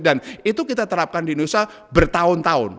dan itu kita terapkan di indonesia bertahun tahun